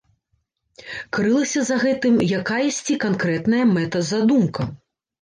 Крылася за гэтым якаясьці канкрэтная мэта-задумка.